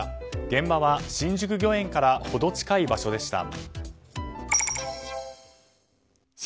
現場は新宿御苑から程近い場所でした。